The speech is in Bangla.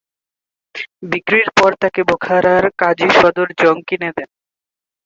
বিক্রির পর তাকে বুখারার কাজী সদর জং কিনে নেন।